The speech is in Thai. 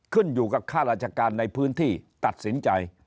ขึ้นอยู่กับค่าราชการในพื้นที่ตัดสินใจ